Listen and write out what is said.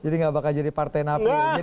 jadi nggak bakal jadi partai napi